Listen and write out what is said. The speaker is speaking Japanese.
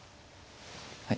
はい。